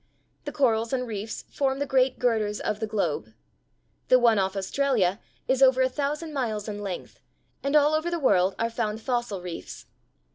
The corals and reefs form the great girders of the globe. The one off Australia is over a thousand miles in length, and all over the world are found fossil reefs.